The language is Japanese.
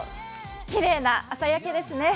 きれいな朝焼けですね。